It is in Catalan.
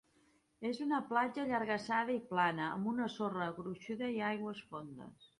És una platja allargassada i plana, amb sorra gruixuda i aigües fondes.